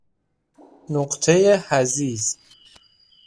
نقطه حضیض